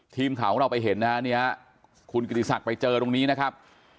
ทีมข่าวของเราไปเห็นนะฮะเนี่ยคุณกิติศักดิ์ไปเจอตรงนี้นะครับ